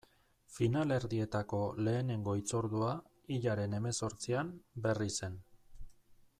Finalerdietako lehenengo hitzordua, hilaren hemezortzian, Berrizen.